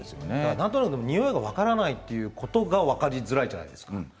なんとなくにおいが分からないってことが分かりづらいじゃないですか。